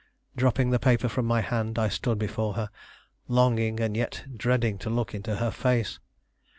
Dropping the paper from my hand, I stood before her, longing and yet dreading to look into her face.